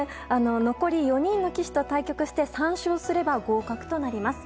残り４人の棋士と対局して３勝すれば合格となります。